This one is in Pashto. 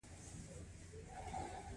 دا د ټاکنو په مسایلو کې د ګډون حالت دی.